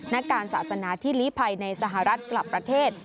นักการศาสนาที่ลีภัยในสหรัฐกลับประเทศ